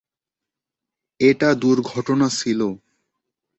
এটা দূর্ঘটনা ছিল।